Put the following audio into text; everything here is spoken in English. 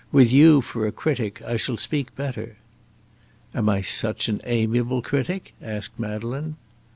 With you for a critic I shall speak better." "Am I such an amiable critic?" asked Madeleine.